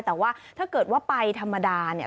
แต่ว่าถ้าเกิดว่าไปธรรมดาเนี่ย